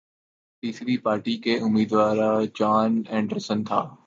تیسری پارٹی کے امیدوار جان اینڈرسن تھا